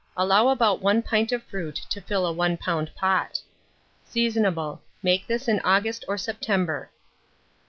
_ Allow about 1 pint of fruit to fill a 1 lb. pot. Seasonable. Make this in August or September.